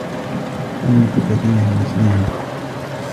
كنت كثير النّسيان.